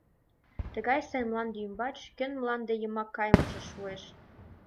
Тыгай сай мланде ӱмбач кӧн мланде йымак кайымыже шуэш.